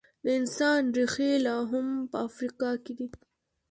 د انسان ریښې لا هم په افریقا کې دي.